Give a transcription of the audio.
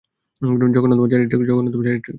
জঘন্যতম চারিত্রিক দোষ।